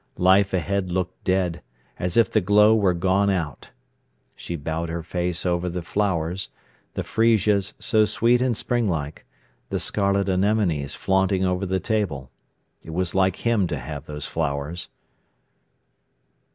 Life ahead looked dead, as if the glow were gone out. She bowed her face over the flowers—the freesias so sweet and spring like, the scarlet anemones flaunting over the table. It was like him to have those flowers.